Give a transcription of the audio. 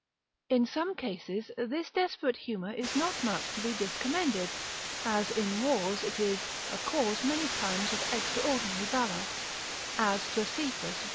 In some cases, this desperate humour is not much to be discommended, as in wars it is a cause many times of extraordinary valour; as Joseph, lib.